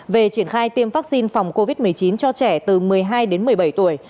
về triển khai tiêm vaccine phòng covid một mươi chín cho trẻ từ một mươi hai đến một mươi bảy tuổi